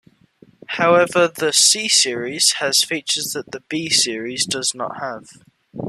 However, the "C"-series has features that the "B"-series does not have.